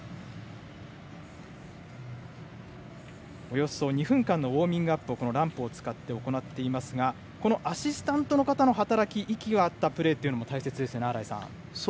およそ２分間のウォーミングアップをランプを使って行っていますがアシスタントの方の働き息が合ったプレーも大切ですね、新井さん。